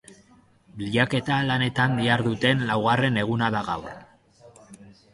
Bilaketa-lanetan diharduten laugarren eguna da gaur.